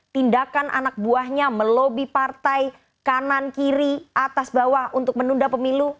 tindakan anak buahnya melobi partai kanan kiri atas bawah untuk menunda pemilu